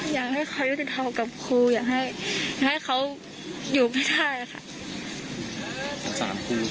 อยากให้เขายุติธรรมกับครูอยากให้เขาอยู่ไม่ได้ค่ะ